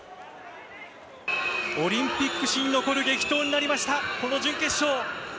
オリンピック史に残る激闘になりました、この準決勝。